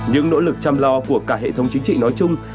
những nỗ lực chăm lo của cả hệ thống chính trị nói chung